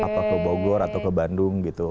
apa ke bogor atau ke bandung gitu